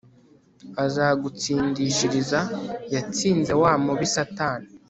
azagutsindishiriza yatsinze wa mubi satani